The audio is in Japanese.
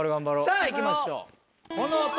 さぁいきましょう。